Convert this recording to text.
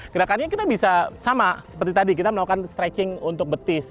gerakannya kita bisa sama seperti tadi kita melakukan stretching untuk betis